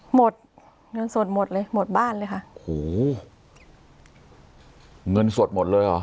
หมดเงินสดหมดเลยหมดบ้านเลยค่ะโอ้โหเงินสดหมดเลยเหรอ